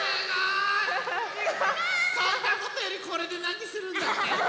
そんなことよりこれでなにするんだっけ？